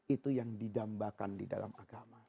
itu yang didambakan di dalam agama